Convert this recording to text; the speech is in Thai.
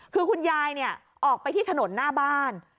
คือคุณยายออกไปที่ถนนหน้าบ้าน